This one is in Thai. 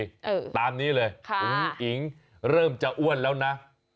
ตามนี้เลยค่ะอุ๋งอิ๋งเริ่มจะอ้วนแล้วนะ